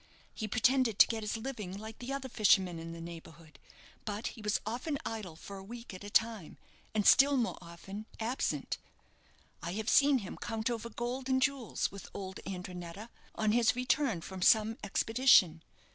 He pretended to get his living like the other fishermen in the neighbourhood; but he was often idle for a week at a time, and still more often, absent. I have seen him count over gold and jewels with old Andrinetta on his return from some expedition.